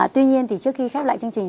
tuy nhiên thì trước khi khép lại chương trình